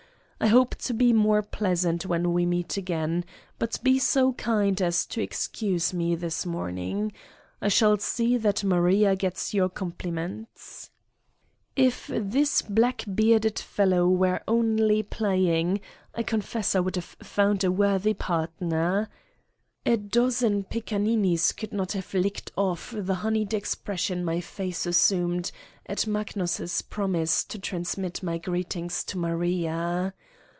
I hope to be more pleasant when we meet again, but be so kind as to excuse me this morning. I shall see that Maria gets your compliments." 62 Satan's Diary If this blackbearded fellow were only playing, I confess I would have found a worthy partner. A dozen pickaninnies could not have licked off the honeyed expression my face assumed at Mag nus' promise to transmit my greetings to Maria.